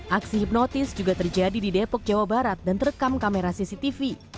aksi hipnotis juga terjadi di depok jawa barat dan terekam kamera cctv